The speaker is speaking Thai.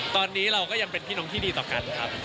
ตอนนี้เราก็ยังเป็นพี่น้องที่ดีต่อกันครับ